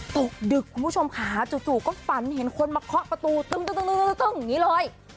ตกดึกคุณผู้ชมค่ะจู่ก็ฝันเห็นคนมาเคาะประตูตึ้งอย่างนี้เลย